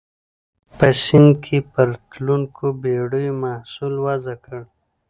په سیند کې پر تلونکو بېړیو محصول وضع کړ.